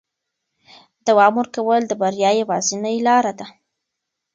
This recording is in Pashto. دوام ورکول د بریا یوازینۍ لاره ده.